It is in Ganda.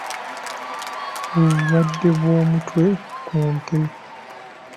Obulwadde bw'omutwe ku nte.